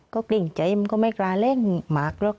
ก็กลิ้งใจมันก็ไม่กล้าเร่งหมากหรอก